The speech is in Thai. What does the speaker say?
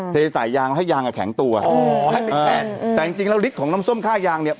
เทใส่ยางให้ยางแข็งตัวแต่จริงแล้วลิกของน้ำส้มค่ายางเนี่ย